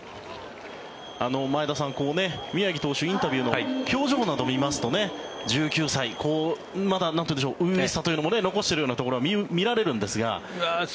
前田さん、宮城投手インタビューの表情などを見ますと１９歳、まだなんというか初々しさというのも残しているようなところが見られるんですが。